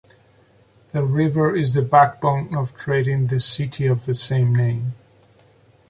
The river is the backbone of trade in the city of the same name.